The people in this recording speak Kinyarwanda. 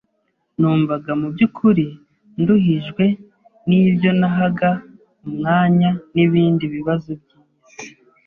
numvaga mu by’ukuri nduhijwe n’ibyo nahaga umwanya n’ibindi bibazo by’isi.